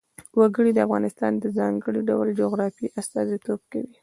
وګړي د افغانستان د ځانګړي ډول جغرافیه استازیتوب کوي.